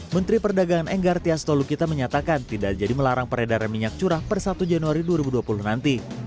menteri perdagangan enggar tias tolukita menyatakan tidak jadi melarang peredaran minyak curah per satu januari dua ribu dua puluh nanti